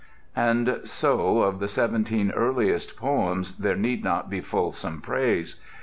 And so of the seventeen earliest poems there need not be fulsome praise.